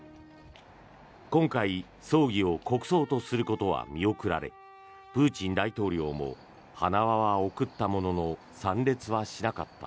今回、葬儀を国葬とすることは見送られプーチン大統領も花輪は送ったものの参列はしなかった。